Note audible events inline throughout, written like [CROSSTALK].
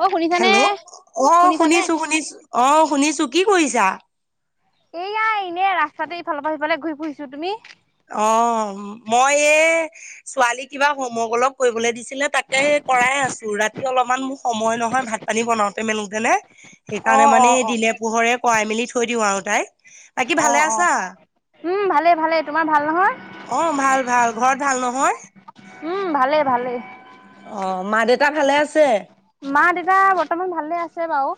অ শুনিছানে হেল্ল' অ', শুনিছানে শুনিছোঁ শুনিছোঁ অ', শুনিছোঁ কি কৰিছা? এইয়াই এনে ৰাস্তাতে ইফালৰ পৰা সিফালে ঘূৰি ফুহিছো তুমি? অ', মই এই ছোৱালী কিবা হোমৱৰ্ক অলপ কৰিবলৈ দিছে আছিলে তাকে কৰাই আছোঁ, ৰাতি অলপমান মোৰ সময় নহয় ভাত পানী বনাওতে মেলোতে নে। অ সেইকাৰণে অ মানে এই অ দিলে পোহৰে কৰাই মেলি থৈ দিওঁ আৰু তাইক। বাকী ভালে আছা? ভালেই-ভালেই, তোমাৰ ভাল নহয়? অ ভাল-ভাল, ঘৰত ভাল নহয়? উম ভালে-ভালে। অ মা দেউতা ভালে আছে? মা বৰ্তমান ভালে আছে বাৰু।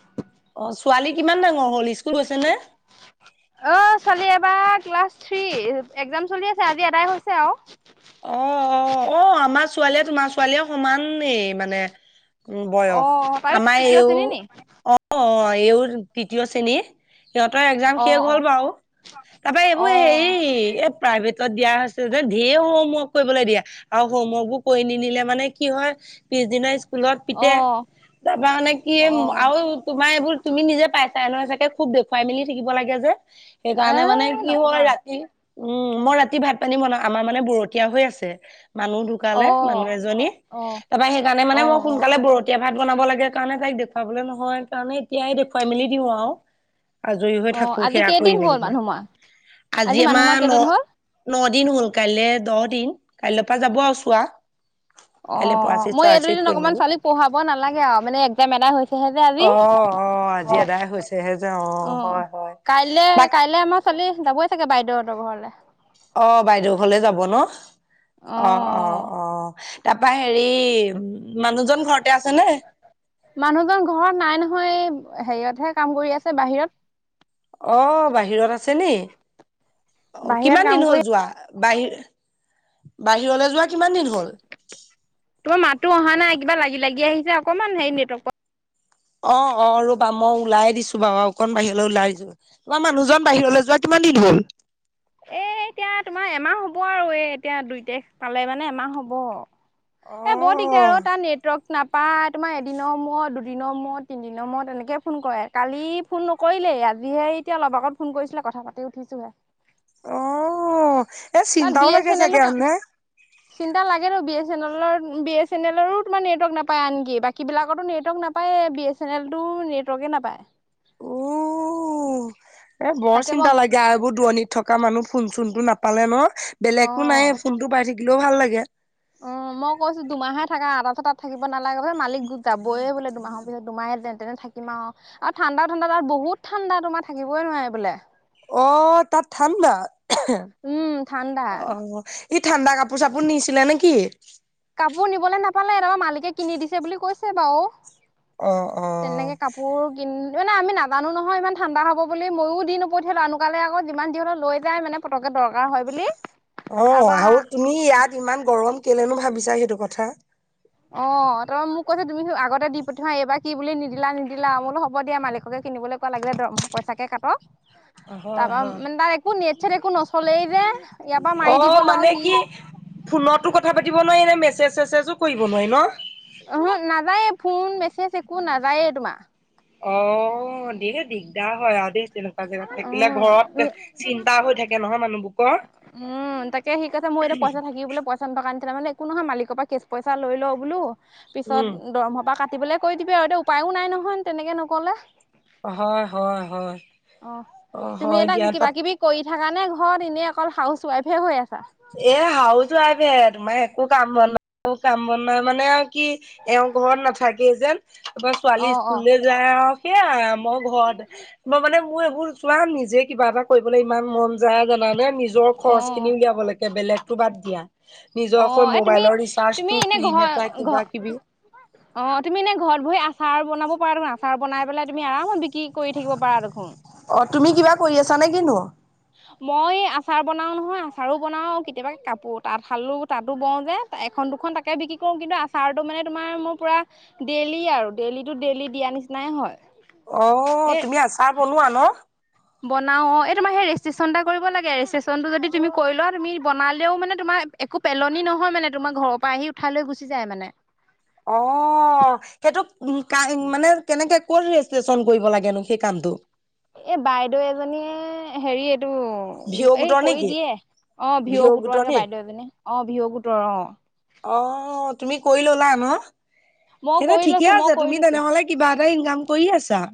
অ ছোৱালী কিমান ডাঙৰ হল স্কুল গৈছে নে অ ছোৱালী এইবাৰ ক্লাছ থ্ৰী, একজাম চলি আছে আজি এডাই হৈছে আৰু। অ', অ', অ', আমাৰ ছোৱালীয়ে তোমাৰ ছোৱালীয়ে সমান এই মানে উম, অ বয়স অ তাইও আমাৰ তৃতীয় এইওঁ শ্ৰেণী নি অ', অ' এইওঁ তৃতীয় শ্ৰেণীৰ সিহঁতৰ একজাম অ শেষ অ হল বাৰু। তাৰপৰা অ এইবোৰ হে এই প্ৰাইভেটত দিয়া হৈছে যেন ঢেৰ হম হৱৰ্ক কৰিবলৈ দিয়া আৰু হোমৱৰ্ক বো কৰি নিনিলে মানে কি হয় পিছদিনা ফুলত অ পিতে তাৰ পৰা মানে কি অ আৰু তোমাৰ এইবোৰ তুমি নিজে পাইছা নহয় চাগে খুব দেখুৱাই মেলি থাকিব লাগে যে। এ সেইকাৰণে মানে কি নকবা হয় ৰাতি উম মই ৰাতি ভাত পানী বনাওঁ, আমাৰ মানে বৰতীয়া হৈ আছে। মানুহ অ ধুকালে, মানুহ এজনী। অ অ তাৰপৰা সেইকাৰণে মানে অ মই সোনকালে বৰতীয়া ভাত বনাব লাগে কাৰণে তাইক দেখুৱাবলৈ নহয়। কাৰণে এতিয়াই দেখুৱাই মেলি দিওঁ আৰু। আজৰি হৈ অ থাকো আজি সেয়া কৰি কেইদিন মেলি হ'ল মানুহ মৰা পেলাই। আজি মানুহ মৰা আমাৰ কেইদিন হ'ল ন-ন দিন হ'ল, কাইলৈ দহ দিন। কাইৰ পৰা যাব আৰু চোৱা। কাইলৈ অ-অ পৰাচিত মই এই চৰাচিত দুদিন কৰি অকমান মেলি ছোৱালীক পঢ়াব নালাগে আৰু, মানে একজাম এটাই হৈছেহে যে আজি। অ অ আজি এদাই হৈছেহে যে, অ, হয়-হয়। কাইলে-কাইলৈ আমাৰ চোৱলি যাবই চাগে বাইদেউহঁতৰ ঘৰলৈ। অ বাইদেউ, হলে যাব ন? অ অ অ-অ-অ তাৰপা হেৰি মানুহজন ঘৰতে আছে নে মানুহজন ঘৰত নাই নহয় হেৰিয়তহে কাম কৰি আছে। বাহিৰত। অ বাহিৰত আছে নি অ বাহিৰত কিমান কাম দিন হ'ল কৰি যোৱা? বাহিৰ-বাহিৰলৈ যোৱা কিমান দিন হ'ল? তোমাৰ মাতো অহা নাই, কিবা লাগি-লাগি আহিছে, অকমান হেৰি নেটৱ অ অ ৰবা মই ওলাই দিছো বাৰু, অকণ বাহিৰলৈ ওলাই যোৱা। তোমাৰ মানুহজন বাহিৰলৈ যোৱা কিমান কিমান দিন হ'ল? এ এতিয়া তোমাৰ এমাহ হব আৰু এ এতিয়া দুই তাৰিখ পালে মানে এমাহ হ'ব। এ বৰ দিগদাৰ অ তাৰ নেটৱৰ্ক নাপায়। তোমাৰ এদিনৰ মূৰত, দুদিনৰ মূৰত, তিনিদিনৰ মূৰত, এনেকে ফোন কৰে। কালি ফোন নকৰিলে দেই আজিহে এতিয়া অলপ আগত ফোন কৰিছিলে, কথা পাতি উঠিছোহে। অ। এ তাত বি চিন্তাও এছ লাগে এন এলো চাগে আৰু কাম নে? চিন্তা লাগে ত। বি এছ এন এলৰ বি এছ এন এৰো তোমাৰ নেটৱৰ্ক নাপায় আনকি। বাকী বিলাকতো নেটৱৰ্ক নাপায় নাপায়ে। বি এছ এন এল টো নেটৱৰ্কে নাপায়। উ এ বৰ তাকে মই চিন্তা লাগে আৰু এইবোৰ দোৰনিত থকা মানুহ ফোন চোনতটো নাপালে ন। অ বেলেগতো নাই ফোন টো পাই থাকিলেও ভাল লাগে। অ মই কৈছো দুমাহে থাকা। তাৰপিছত তাত থাকিব নালাগে যে মালিক যাবইে বোলে দুমাহৰ পিছত, দুমাহে যেন তেনে থাকিম আৰু। ঠাণ্ডা-ঠাণ্ডাাত বহুত ঠাণ্ডা তোমাৰ থাকিবই নোৱাৰি বোলে। অ তাত ঠাণ্ডা। উম ঠাণ্ডা অ। সি ঠাণ্ডা কাপোৰ-চাপোৰ নিছিলে নেকি? কাপোৰ নিবলৈ নাপালে, তাৰপৰা মালিকে কিনি দিছে বুলি কৈছে বাৰু। অ', অ'। তেনেকে কাপোৰ কিন মানে আমি নাজানো নহয়, ইমান ঠাণ্ডা হ'ব বুলি। ময়ো দি নপঠিয়ালো, অকালে আকৌ যিমান যি হ'লে লৈ যায় মানে পটকে। দৰকাৰ হয় বুলি। অহ, তাৰপা আৰু তুমি ইয়াত ইমান গৰম কেলেনো ভাবিছা সেইটো কথা। অহ, তই মোক কৈছে তুমি আগতে দি পঠোৱা, এইবাৰ কি বুলি নিদিলা নিদালা। মই বোলো হ'ব দিয়া মালিককে কিনিবলৈ কোৱা লাগিলে দৰমহা পইচা তাকে কাটক হয়, তাৰপা হয়। মানে তাৰ একো নেটচ একো নচলেই যে, ইয়াৰ পৰা মাৰি অ', দিবলৈ মানে সি কি ফোনতো কথা পাতিব নোৱাৰি নে, মেছেজ চেছেজো কৰিব নোৱাৰি ন। অহ নাযায়ে ফোন, মেছেজ একো নাযায়েই তোমাৰ। অ [UNINTELLIGIBLE] দিগদাৰ হয় আৰু দে। তেনেকুৱা জেগাত থাকিলে। উম ঘৰত চিন্তা হৈ থাকে নহয় মানুহবকৰ। উম তাকে সিক কছে মই এয়া পইচা থাকিব পইচা তোৰ মানে একো নহয়। মালিকৰ পৰা কেচ পইচা লৈ লওঁ বোলো। উম, পিছত দৰমহৰ পৰা ক কাতিবলৈ কৈ দিবি আৰু, এতিয়া উপায়ো নাই নহয় তেনেকে নকলে। হয়-হয়-হয় অ তুমি এটা কিবা-কিবি কৰি থাক নে ঘৰত? এনেই অকল হাউচ ৱাইফে হৈ আছ। এ হউচ ওৱাভে। তোমাৰ একো কাম বন নাই। একো কাম বনাই মানে আৰু কি এওঁ ঘৰত নাথাকে যেন। তাৰপৰা অ ছোৱালী অ স্কুললৈ যায় আৰু সেয়া। মই ঘৰতে, মই মানে মোৰ এইবোৰ কিমাম নিজে কিবা এটা কৰিবলৈ ইমান মন যায় জানানে, নিজৰ অ খৰচখিনি উলিয়াব লাগে। বেলেগতো বাদ দিয়া। অ নিজৰকৈ এই তুমি মোবাইলৰ ৰিচাৰ্ডটো, পিন‌ এটা, কিবা-কিবি। অহ, তুমি এনেই ঘৰত বহি আচা আচাৰ বনাব পাৰা দেখোন, আচাৰ বনাই পেলাই তুমি আৰামত বিক্ৰী কৰি থাকিব পাৰা দেখোন। অ তুমি কিবা কৰি আছা নে কিনো? মই আচাৰ বনাও নহয়, আচাৰো বনাও, কেতিয়াবা কাপোৰ তাত শালো, তাতো বওঁ যে। এখন দুখন তাকে বিক্ৰী কৰো কিন্তু আচাৰো মানে তোমাৰ মোৰ পুৰা ডেইলি আৰু ডেইলিটো ডেইলি দিয়া। দিয়াৰ নিচিনায়ে হয়। অহ, এ তুমি আচাৰ বনোৱা ন। বনাও অহ, এই তোমাৰ সেই ৰেজিষ্ট্ৰেশ্যন এটা কৰিব লাগে, ৰেজিষ্ট্ৰেশ্যনটো যদি তুমি কৰি লোৱা, তুমি বনালেও মানে তোমাৰ একো পেলনি নহয় মানে, তোমাৰ ঘৰৰ পৰা আহি উঠাই লৈ গুচি যায় মানে। অহ, সেইটো কান মানে কেনেকে ক'ত ৰেজিষ্ট্ৰচন কৰিব লাগেনো সেই কামটো। এ বাইদেউ এজনীয়ে, হেৰিত [UNINTELLIGIBLE] এই গোটৰ কৰি নেকি? দিয়ে, অহ ভিও ভিঅ' গোটৰ এনেকে নি? বাইদেউ এজনী, অহ ভিও গোটৰ অহ। অহ, তুমি কৰি ললা ন, মই সেইটো কৰি ঠিকে লৈছো মই আছে কৰি তুমি লৈছো তেনেহ'লে কিবা এটা ইনকাম কৰি আছা।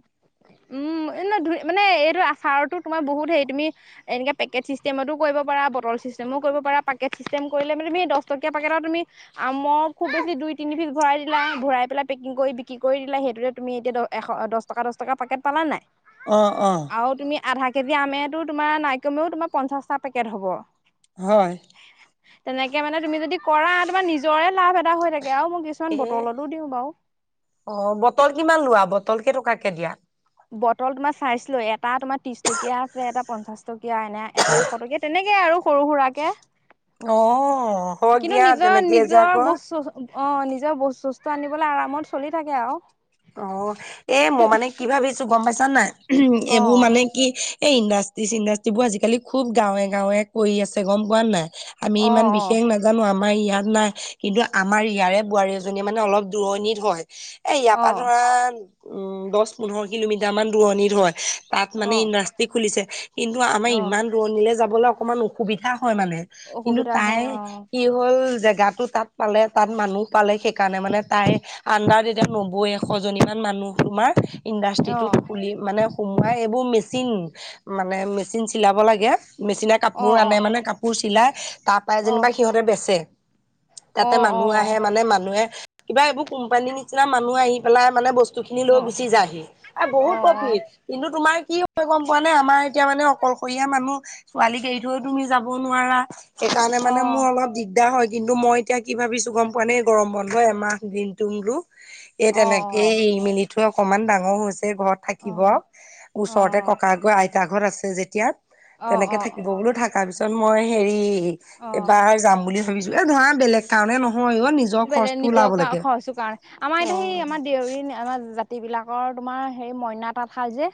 উম। এনে ধুই মানে এইটো আচাৰতো তোমাৰ বহুত হেৰি, তুমি এনেকৈ পেকেট ছিষ্টেমতো কৰিব পাৰা বটল চিষ্ট মই কৰিব পৰা, পেকেট ছিষ্টেম কৰিলে মানে সেই দহটকীয়া পেটত তুমি আমৰ খুব বেছি দুই তিনি পিছ ভৰাই ভৰাই দিলা। ভৰাই পেলাই পেকিং কৰি বিক্ৰী কৰি দিলা, সেইটোতে তুমি এতিয়া এশ, দহ টকা দহ টকা পেকেট পালা নে নাই। অহ, অহ। আৰু তুমি আধা কেজি আমেটো তোমাৰ নাই কমেও তোমাৰ পঞ্চাশটা পেকেট হ'ব। হয়। তেনেকে মানে তুমি যদি কৰা, তোমাৰ নিজৰে লাভ এটা হৈ থাকে। আৰু মই কিছুমান এ বটলতো দিওঁ বাৰু অহ, বটল কিমান লোৱা বটল কেইটকাকে দিয়া। বটল তোমাৰ চাইছ লৈ, এটা তোমাৰ ত্ৰিশ টকীয়া আছে এটা পঞ্চাশ টকা। এতিয়া এনে, এটা এশ টকীয়া তেনেকে আৰু সৰু সুৰাকে। অ হয় কিন্তু দিয়া নিজৰ তেনেকে যে নিজৰ আকৌ। বস্তু অহ, নিজৰ বস্তু চস্তু আনিবলৈ আৰামত চলি থাকে আৰু। অহ, এ মই মানে কি ভাবিছোঁ গম পাইছা নে নাই। [UNINTELLIGIBLE] অ এইবোৰ মানে কি এই ইণ্ডাষ্ট তিচ ইণ্ডাষ্ট্ৰিবোৰ আজিকালি খুব গাঁৱে গাঁৱে কৰি আছে গম পোৱা নাই? আমি অ ইমান বিশেষ অ নাজানো আমাৰ আমাৰ ইয়াত নাই কিন্তু আমাৰ ইয়াৰে বোৱাৰী এজনী মানে অলপ দূৰণিত হয়। তপ অ পৰা ধৰা উম, দশ পোন্ধৰ কিলোমিটাৰ মান দূৰণিত হয়। তাত মানে অ ইণ্ডাষ্ট্ৰি খুলিছে, কিন্তু আমাৰ অ ইমান দূৰণীলৈ যাবলৈ অকমান অসুবিধা হয় মানে, কিন্তু অসুবিধা তাই হ'ব কি হ'ল জেগাতো তাত পালে তাত মানুহ পালে সেইকাৰণে মানে তাই আডাৰ তেতিয়া নবয়ে ছজনী মান মানুহ তোমাৰ অ ইণ্ডাষ্ট্ৰিটোত খুলি মানে সোমোৱাই এইবোৰ মেচিন, মানে মেচিন চিলাব লাগে। মেচিনে অ কাপোৰ আনে অ মানে কাপোৰ চিলাই তাৰ পৰাই যেনিবা সিহঁতে বেচে, অ অ তাতে মানুহ আহে মানে মানুহে কিবা এইবোৰ কোম্পানীৰ নিচিনা মানুহ আহি পেলাই মানে বস্তু সেইখিনি অ অ লৈ গুচি যায়হি আৰু অ অ বহুত প্ৰফিট কিন্তু তোমাৰ কি হয় গম পোৱা নে, আমাৰ এতিয়া মানে অকলশৰীয়া মানুহ ছোৱালীক এৰি থৈ তুমি যাব নোৱাৰা। সেইকাৰণে অ মানে মোৰ অলপ দিগদাৰ হয়। কিন্তু মই এতিয়া কি ভাবিছোঁ গম পোৱা নে গৰমত। এ এমাহ দিনতো মোৰো, এই অ অ তেনেকে এৰি মেলি থৈ অকনমান ডাঙৰ হৈছে। ঘৰত অ থাকিব ওচৰতে অ ক'কা গৈ আইতা ঘৰত আছে যেতিয়া তেনেকে অ অ থাকিব বোলো থাকা পিছত, মই হেৰি অ এবাৰ যাম বুলি ভাবিছোঁ, এই ধৰা বেলেগ কাৰণে নহয় অ নিজৰ বেলে খৰচটো ওলাব নিজৰ লাগে। খচো কাৰণ আমাৰ সেই আমাৰ অ দেউৰী আমাৰ জাতি বিলাকৰ তোমাৰ সেই মইনা তাঁতশাল যে।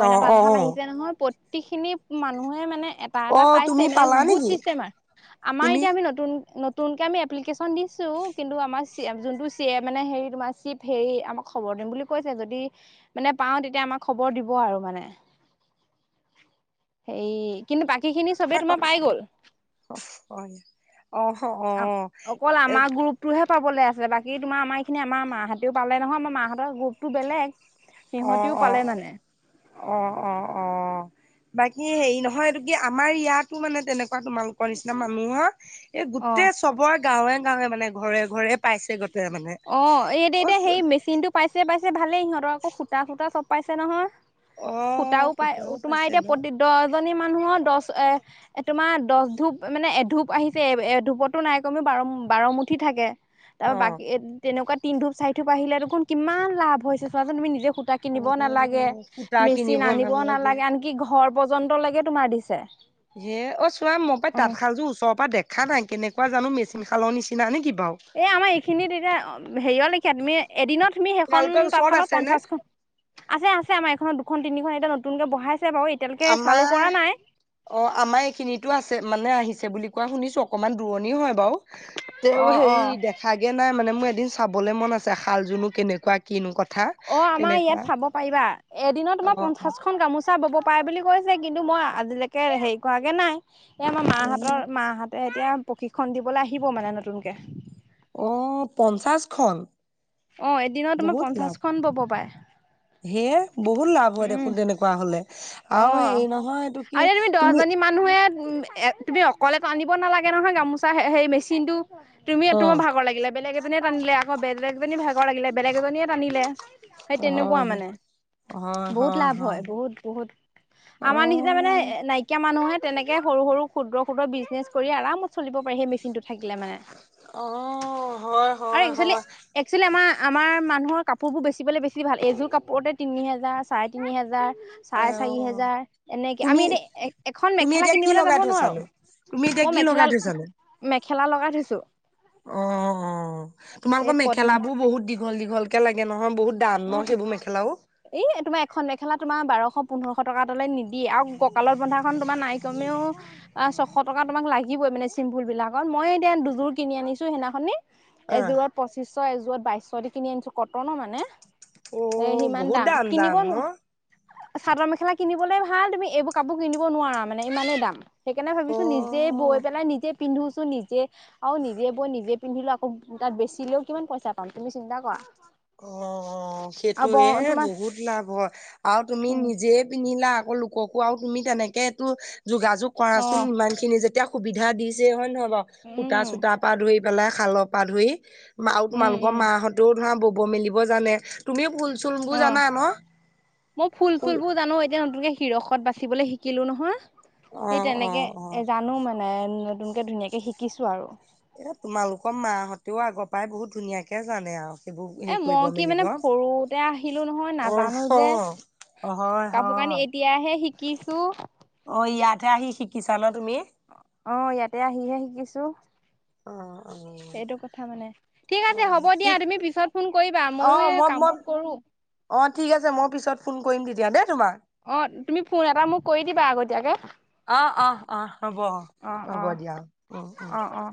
মইনা অ তাঁতশাল আহিছে নহয়, প্ৰতি খিনি মানুহে মানে এটা অ এটা তুমি পাইছে মানে পালা গুড নেকি ছিষ্টেমাৰ আমাৰ তুমি এতিয়া আমি নতুন নতুনকে আমি এপ্লিকেশ্যন দি ছো কিন্তু আমাৰ চিএফ যোনটো চি এ মানে হে তোমাৰ চিপ হেৰি, আমাক খবৰ দিম বুলি কৈছে যদি মানে পাওঁ তেতিয়া আমাক খবৰ দিব আৰু মানে। [INAUDIBLE] সেই কিন্তু বাকী খিনি চবেই তোমাৰ পাই গল। হয় অহ অ অকল এ আমাৰ গ্ৰোপটোহে পাবলে আছে বাকী তোমাৰ আমাৰ এইখিনি আমাৰ মা হঁতেও পালে নহয় আমাৰ মাহঁতৰ গ্ৰোপটো বেলেগ। অ', সিহঁতিও পালে অ', মানে। অ', অ', অ', বাকী হেৰি নহয় এইটো কি আমাৰ ইয়াতো মানে তেনেকুৱা তোমালোকৰ নিচিনা মানুহৰ এই গোটেই অ', চবৰ গাঁৱে গাঁৱে মানে ঘৰে ঘৰে পাইছে গৈ অ', এই দে এতিয়া সেই মেচিন টো পাইছে পাইছে ভালেই ইিহঁতৰ আকৌ সূতা চূতা চব পাইছে নহয়। অ সূতাও পায় তোমাৰ পাইছে এতিয়া ন প্ৰতি দশজনী মানুহৰ দশ এ তোমাৰ দশ ধূপ মানে এ ধূপ আহিছে এ এ ধূপতো নাই কমেও বাৰ বাৰমুঠি থাকে অ তাৰ বাকী তেনেকুৱা তিন ধুপ চাই থুপ আহিলে দেখোন কিমান লাভ হৈছে চোৱাচোন তুমি নিজে সূতা অ কিনিব নালাগে, সূতা মেচিন কিনিব আনিব নালাগে আনকি ঘৰ পৰ্যন্তলৈকে তোমাৰ দিছে। হে অ, চোৱা মই পাই অ'। তাঁতশালযোৰ ওচৰৰ পৰা দেখা নাই কেনেকুৱা জানো মেচিন খালৰ নিচিনা নিকি? এই আমাৰ এইখিনিত এতিয়া হেৰিয় লখীয়া তুমি এদিনত তুমি সেইখন তোমালোকৰ ওচৰত তাঁতশালত আছে নে পঞ্চাছখন আছে আছে আমাৰ এখনত দুখন তিনিখন এতিয়া নতুনকে বঢ়াই আমাৰ অ, আমাৰ এইখিনিতো আছে মানে আহিছে বুলি কোৱা শুনিছো অকমান দূৰণি হয় বাৰু অ তেওঁ অ হেৰি দেখাই দিয়া নাই মানে মোৰ এদিন চাবলে মন আছে শাল জোনো কেনেকুৱা কিনো কথা অ', আমাৰ তেনেকুৱা ইয়াত চাব পাৰিবা এদিনত অ তোমাৰ অ পঞ্চাশখন গামোচা বব পায় বুলি কৈছে কিন্তু মই আজিলৈকে হেৰি কৰাগে নাই। এ আমাৰ মা অ হঁতৰ মাহঁতে এতিয়া প্ৰশিক্ষণ দিবলৈ আহিব মানে নতুনকে। অ', পঞ্চাশখন? অ' এদিনত তোমাৰ বহুত লাভ পঞ্চাছখন বব পাৰে। সেয়ে বহুত লাভ হয় উম, দেখোন তেনেকুৱা হলে আৰু অ', হেৰি নহয় এইটো কি আৰু এতি তুমি দশজনী মানুহে তুমি অকলে টানিব নালাগে নহয় গামোচা সেই মেচিনটো তুমি অ তোমাৰ ভাগৰ লাগিলে বেলেগ এজনীয়ে টানিলে আকৌ বেলেগ এজনীৰ ভাগৰ লাগিলে, বেলেগ এজনীয়ে টানিলে। সেই হয় তেনেকুৱা হয় মানে বহুত লাভ হয় বহুত বহুত অ'। আমাৰ নিচিনা মানে নাইকিয়া মানুহে তেনেকে সৰু সৰু ক্ষুদ্ৰ ক্ষুদ্ৰ বিজনেছ কৰি আৰাম চলিব পাৰি সেই মেচিনটো থাকিলে মানে। অ', হয়, আৰু হয়, একচুৱেলি হয়। একচুৱেলি আমাৰ - আমাৰ মানুহৰ কাপোৰবোৰ বেচি পলৈ বেছি ভাল, এযোৰ কাপোৰতে তিনি হেজাৰ চাৰে তিনি হেজাৰ হয় চাৰে চাৰি অ', হেজাৰ এনেকে তুমি আমি এতি এখন তুমি মেখেলা এতিয়া কি কিনিবলৈ যাব লগাই নোৱাৰো। থৈছানো? তুমি এতিয়া মই কি লগাই থৈছানো? মেখেলা-মেখেলা লগাই থৈছো। অ', অ', এই তোমালোকৰ পদ্মি মেখেলা বোৰ বহুত দীঘল দীঘল একে লাগে নহয় বহুত ডাম ন' সেইবোৰ মেখেলাও? এ তোমাৰ এখন মেখেলা তোমাৰ বাৰশ পোন্ধৰশ টকা তলে নিদিয়ে আৰু কঁকালত বন্ধাখন তোমাৰ নাই কমেও আ, ছশ টকা তোমাক লাগিবই মানে চিম্পুল বিলাকত, মই এতিয়া দুযোৰ কিনি আনিছোঁ সেইদিনাখনি। অ', এযোৰত পঁচিছশ এযোৰত বাইশ দি কিনি আনিছোঁ কটনৰ মানে। অ', বহুত দাম কনিব দাম নো ন'? চাদৰ মেখেলা কিনিবলৈ ভাল তুমি এইবোৰ কাপোৰ কিনিব নোৱাৰা মানে ইমানেই দাম, সেইকাৰণে ভাবিছো নিজে এই অ'। বৈ পেলাই নিজে পিন্ধোছো নিজে আৰু নিজে বৈ নিজে পিন্ধিলোঁ আকৌ তাত বেচিলেও কিমান পইচা পাম। তুমি চিন্তা কৰা অ', অ', আৰু ব সেইটোয়ে তোমাৰ বহুত লাভ হয় আৰু তুমি উম নিজে পিন্ধিলা আকৌ লোককো আৰু তুমি তেনেকে এইটো যোগাযোগ অ কৰাচোন ইমান খিনি যেতিয়া সুবিধা দিছে হয় নহয় বাৰু উম সূতা চূতাৰ পৰা ধৰি পেলাই শালৰ পৰা ধৰি আৰু উম তোমালোকৰ উম মা হঁতেও ধৰা বব মেলিব জানে তুমিও ভুল অ', মই ফুল ফুল বোৰ জানো এতিয়া নতুনকে চিৰষত বাচিবলৈ শিকিলোঁ নহয়, এই অ', তেনেকে অ', অ', জানো মানে। নাই নতুনকে ধুনীয়াকে শিকিছো আৰু। এ তোমালোকৰ মাহঁতেও আগৰ পৰাই বহুত ধুনীয়াকে জানে আৰু। সেইবোৰ এ হেৰি কৰিব মই কি মেলিব মানে সৰুতে আহিলোঁ নহয় অ', নাজানো যে। হয় কাপোৰ হয় কানি এতিয়াহে শিকিছো অ' ইয়াতহে আহি শিকিছা ন তুমি? অ', ইয়াতে আহিহে শিকিছো। অ', অ', সেইটো কথা মানে ঠিক আছে অ', হ'ব দিয়া ঠিক তুমি পিছত ফোন কৰিবা মইও অ', এই মই কাম মই বোৰ কৰো। অ', ঠিক আছে মই পিছত ফোন কৰিম তেতিয়া দেই তোমাক। অ', তুমি ফোন এটা মোক কৰি দিবা আগতীয়াকে। অ', অ', অ', হ'ব অ হ'ব অ দিয়া উম, উম, অ অ